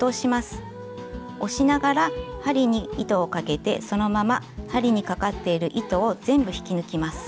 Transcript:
押しながら針に糸をかけてそのまま針にかかっている糸を全部引き抜きます。